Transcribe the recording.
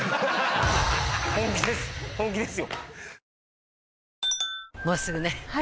本気です